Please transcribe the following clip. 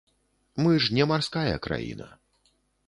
Мы ж не марская краіна.